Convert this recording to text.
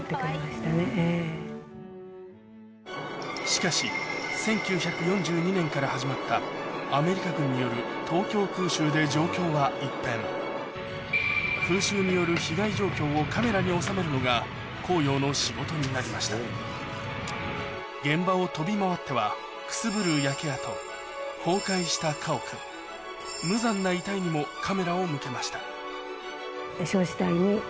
しかし１９４２年から始まったアメリカ軍による東京空襲で状況は一変のが光陽の仕事になりました現場を飛び回ってはくすぶる焼け跡崩壊した家屋無残な遺体にもカメラを向けました